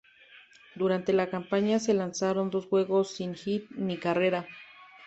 Durante la campaña se lanzaron dos juego sin hit ni carrera.